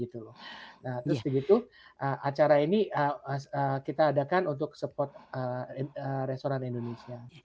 terus begitu acara ini kita adakan untuk spot restoran indonesia